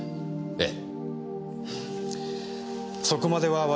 ええ。